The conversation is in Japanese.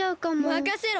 まかせろ！